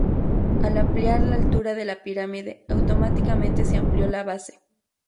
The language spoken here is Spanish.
Al ampliar la altura de la pirámide, automáticamente se amplió la base.